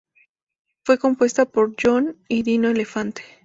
Fue compuesta por John y Dino Elefante.